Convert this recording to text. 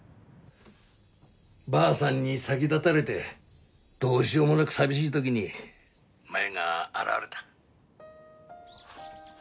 ばあさんに先立たれてどうしようもなく寂しい時に真夢が現れた。